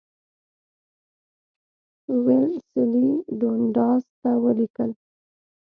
ویلسلي ډونډاس ته ولیکل.